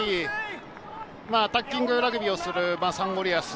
アタッキングラグビーをするサンゴリアス。